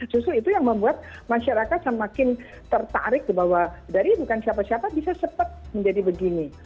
susu itu yang membuat masyarakat semakin tertarik bahwa dari bukan siapa siapa bisa sempat menjadi begini